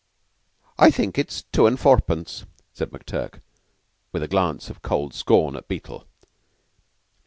"I think it's two and fourpence," said McTurk, with a glance of cold scorn at Beetle.